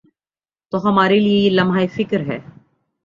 تو ہمارے لئے یہ لمحہ فکریہ ہے۔